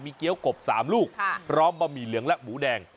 เกี้ยวกบ๓ลูกพร้อมบะหมี่เหลืองและหมูแดง